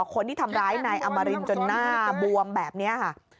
คนที่ทำร้ายไหนอามารินน์จังน่าบวมแบบนี้